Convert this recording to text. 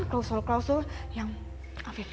klausul klausul yang afif